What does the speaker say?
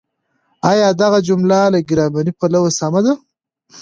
آيا دغه جمله له ګرامري پلوه سمه ده؟